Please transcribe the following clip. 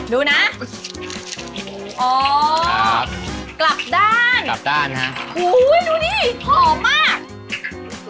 ดูน่ะอ๋อครับกลับด้านกลับด้านฮะโอ้ยดูนี่หอมมาก